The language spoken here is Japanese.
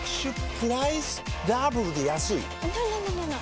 プライスダブルで安いＮｏ！